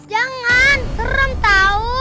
jangan serem tau